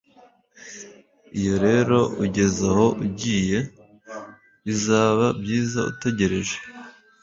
iyo rero ugeze aho ugiye, bizaba byiza utegereje